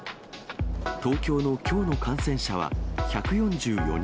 東京のきょうの感染者は、１４４人。